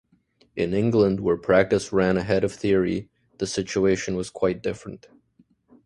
In England, where practice ran ahead of theory, the situation was quite different.